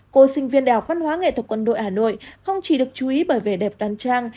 cô sinh viên đèo văn hóa nghệ thuật quân đội hà nội không chỉ được chú ý bởi vẻ đẹp đan trang